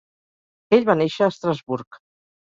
Ell va néixer a Estrasburg.